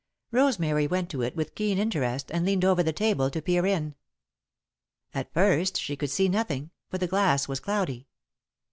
Rosemary went to it with keen interest and leaned over the table to peer in. [Sidenote: The Broken Heart] At first she could see nothing, for the glass was cloudy.